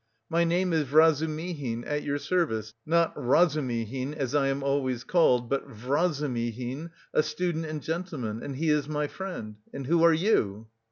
"My name is Vrazumihin, at your service; not Razumihin, as I am always called, but Vrazumihin, a student and gentleman; and he is my friend. And who are you?"